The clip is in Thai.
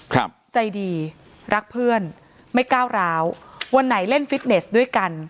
ครับใจดีรักเพื่อนไม่ก้าวร้าววันไหนเล่นฟิตเนสด้วยกัน